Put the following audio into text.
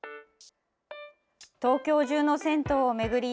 東京中の銭湯を巡り